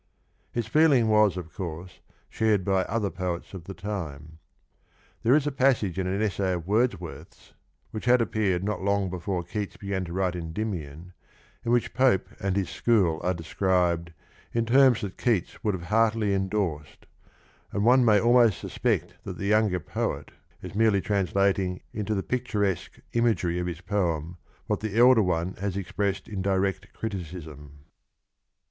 "^ His feeling was, of course, shared by other poets of the time. There is a passage in an essay of Wordsworth's^ which had appeared not long before Keats began to write Endymion, in which Pope and his school are described in terms that Keats would have heartily endorsed, and one may almost suspect that the younger poet is merely translating into the picturesque imagery of his poem what the elder one has expressed in direct criticism.